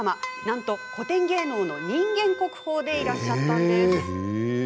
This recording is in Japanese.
なんと、古典芸能の人間国宝でいらっしゃったんです。